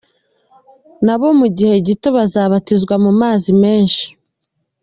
Na bo mu gihe gito bazabatizwa mu mazi menshi.